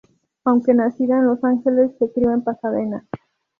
Aunque nacida en Los Ángeles, se crio en Pasadena.